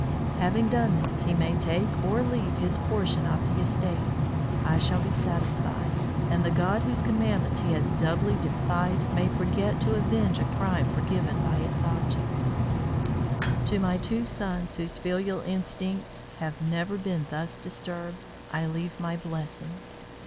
Having done this, he may take or leave his portion of the estate. I shall be satisfied, and the God whose commandments he has doubly defied may forget to avenge a crime forgiven by its object. To my two sons whose filial instincts have never been thus disturbed, I leave my blessing.